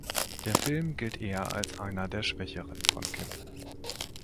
Der Film gilt eher als einer der schwächeren von Kim.